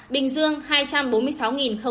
bình dương hai trăm bốn mươi sáu bảy ca